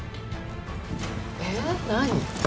えっ何？